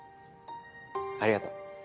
ありがとう。